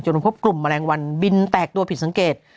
พบกลุ่มแมลงวันบินแตกตัวผิดสังเกต